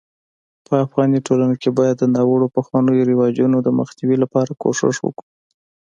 په افغاني ټولنه کي بايد د ناړوه پخوانيو رواجونو دمخ نيوي لپاره کوښښ وکړو